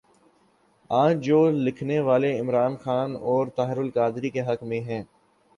آج جو لکھنے والے عمران خان اور طاہرالقادری کے حق میں ہیں۔